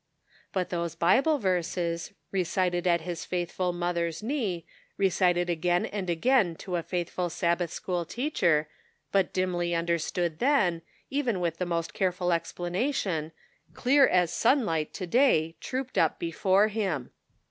But those Bible verses, recited at his faithful mother's knee, recited again and again to a faithful Sab bath school teacher, but dimly understood then, even with the most careful explanation, clear as sunlight to day, trooped up before him.